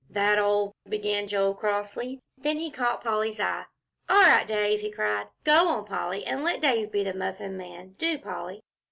"That old " began Joel, crossly. Then he caught Polly's eye. "All right, Dave," he cried. "Go on, Polly. And let Dave be the Muffin Man, do, Polly."